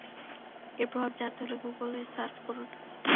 এর প্রভাব জানতে হলে গুগলে সার্চ করুন।